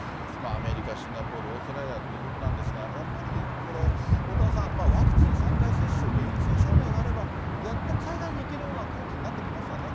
アメリカ、シンガポール、オーストラリアということなんですが、やっぱりこれ、おおたわさん、ワクチン３回接種と陰性証明があれば、やっと海外に行けるような空気になってきましたね。